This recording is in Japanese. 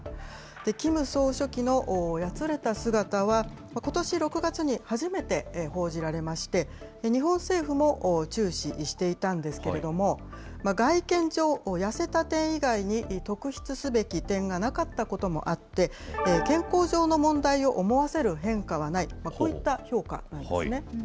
キム総書記のやつれた姿は、ことし６月に初めて報じられまして、日本政府も注視していたんですけれども、外見上、痩せた点以外に特筆すべき点がなかったこともあって、健康上の問題を思わせる変化はない、こういった評価なんですね。